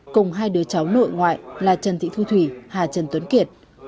cùng hai đứa cháu nội ngoại là trần thị thu thủy hà trần tuấn kiệt